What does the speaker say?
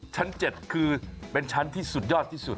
ชั้น๗คือเป็นชั้นที่สุดยอดที่สุด